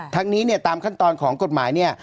ทั้งนี้ตามขั้นตอนของกฎหมาย